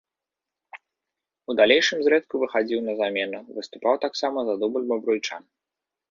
У далейшым зрэдку выхадзіў на замену, выступаў таксама за дубль бабруйчан.